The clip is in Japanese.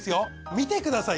見てください